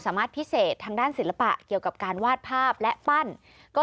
สามารถพิเศษทางด้านศิลปะเกี่ยวกับการวาดภาพและปั้นก็